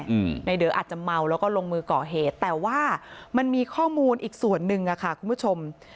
อืมในเดออาจจะเมาแล้วก็ลงมือก่อเหตุแต่ว่ามันมีข้อมูลอีกส่วนหนึ่งอ่ะค่ะคุณผู้ชม